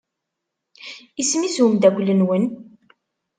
Isem-is umeddakel-nwen?